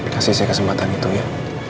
kasih saya kesempatan itu ya